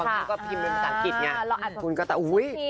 คุณก็พิมพ์ในภาษาอังกฤษไง